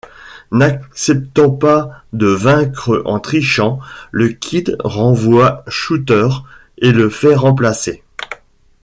N'acceptant pas de vaincre en trichant, le Kid renvoie Shooter et le fait remplacer.